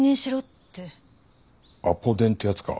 アポ電ってやつか。